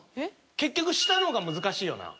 結局下の方が難しいよな。